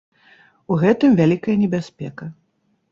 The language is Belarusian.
У гэтым вялікая небяспека.